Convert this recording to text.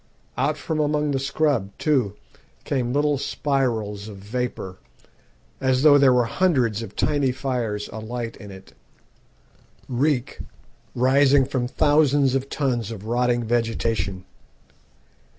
Out from among the scrub, too, came little spirals of vapour, as though there were hundreds of tiny fires alight in it reek rising from thousands of tons of rotting vegetation.